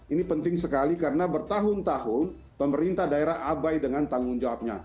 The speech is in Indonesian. ini penting sekali karena bertahun tahun pemerintah daerah abai dengan tanggung jawabnya